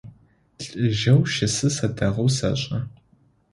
Лӏыжъэу щысыр сэ дэгъоу сэшӏэ.